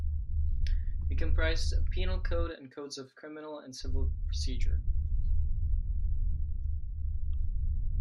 It comprised a penal code and codes of criminal and civil procedure.